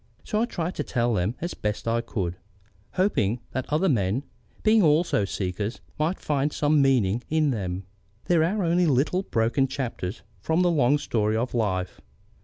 So I tried to tell them, as best as I could, hoping that other men, being also seekers, might find some meaning in them. There are only little, broken chapters from the long story of life.